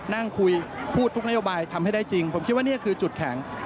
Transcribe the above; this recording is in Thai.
นั่งคุยพูดทุกนโยบายทำให้ได้จริงผมคิดว่านี่คือจุดแข็ง